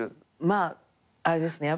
まああれですね。